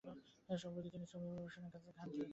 সম্প্রতি তিনি ছবি পরিবেশনার কাজে হাত দিয়েছেন।